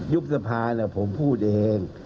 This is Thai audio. ยุบสะพานน่ะผมพูดเอง